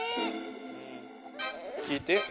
聞いて。